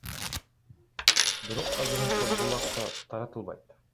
Бирок азырынча бул акча таратылбайт.